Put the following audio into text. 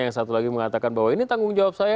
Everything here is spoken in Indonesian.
yang satu lagi mengatakan bahwa ini tanggung jawab saya